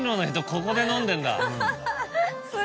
ここで飲んでんだ。